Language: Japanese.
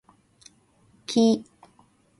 木